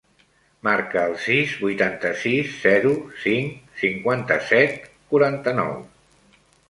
Marca el sis, vuitanta-sis, zero, cinc, cinquanta-set, quaranta-nou.